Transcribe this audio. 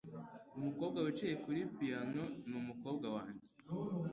Umukobwa wicaye kuri piyano ni umukobwa wanjye.